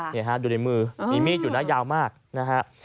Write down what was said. นี่ฮะดูในมือมีมีดอยู่นะยาวมากนะฮะ